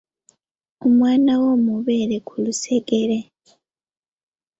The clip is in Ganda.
Omwana wo mubeere ku lusegere.